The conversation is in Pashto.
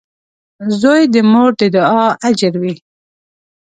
• زوی د مور د دعا اجر وي.